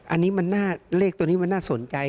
อันนี้มันน่าเลขตัวนี้มันน่าสนใจ